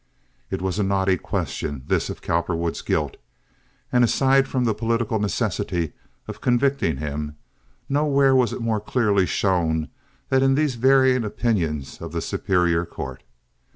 It was a knotty question, this, of Cowperwood's guilt, and, aside from the political necessity of convicting him, nowhere was it more clearly shown than in these varying opinions of the superior court.